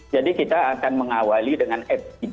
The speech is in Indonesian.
jadi kita akan mengawali dengan fgd